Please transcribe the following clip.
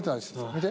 見て。